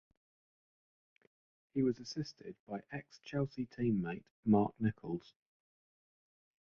He was assisted by ex-Chelsea team-mate Mark Nicholls.